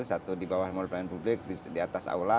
satu di bawah mall pelayanan publik di atas aula